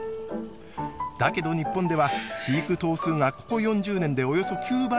だけど日本では飼育頭数がここ４０年でおよそ９倍に増えています。